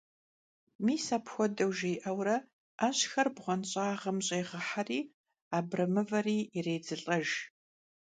Mis apxuedeu jji'eure 'exhuşşer bğuenş'ağım ş'êğeheri abremıveri yirêdzılh'ejj.